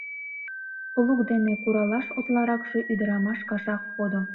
Плуг дене куралаш утларакше ӱдырамаш кашак кодо.